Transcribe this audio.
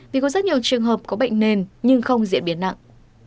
vì có rất nhiều trường hợp có bệnh nền nhưng không diễn biến nặng